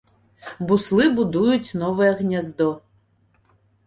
Буслы будуюць новае гняздо.